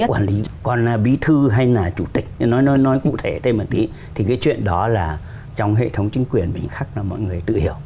cấp quản lý còn là bí thư hay là chủ tịch nói cụ thể thêm một tí thì cái chuyện đó là trong hệ thống chính quyền mình khác là mọi người tự hiểu